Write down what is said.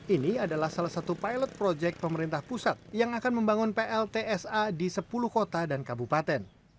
ini adalah salah satu pilot project pemerintah pusat yang akan membangun pltsa di sepuluh kota dan kabupaten